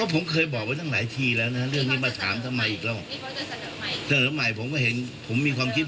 ผมไม่คิดอ่ะเรื่องนี้นะยังไม่คิด